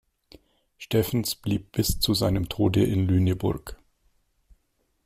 Steffens blieb bis zu seinem Tode in Lüneburg.